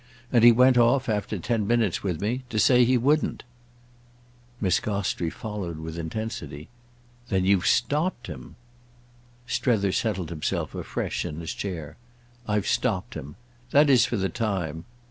And he went off, after ten minutes with me, to say he wouldn't." Miss Gostrey followed with intensity. "Then you've stopped him?" Strether settled himself afresh in his chair. "I've stopped him. That is for the time.